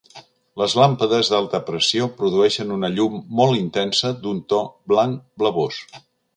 Les làmpades d'alta pressió produeixen una llum molt intensa d'un to blanc blavós.